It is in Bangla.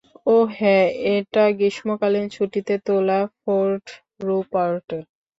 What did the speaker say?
ওহ হ্যাঁ এটা গ্রীষ্মকালীন ছুটিতে তোলা, ফোর্ট রুপার্টে।